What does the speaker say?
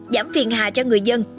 giảm phiền hà cho người dân